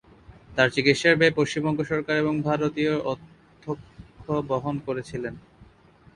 তাঁর চিকিত্সার ব্যয় পশ্চিমবঙ্গ সরকার এবং বিশ্বভারতীর অধ্যক্ষ বহন করেছিলেন।